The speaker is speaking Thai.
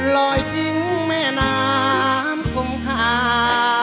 ลอยกิ้งแม่น้ำทุ่มหา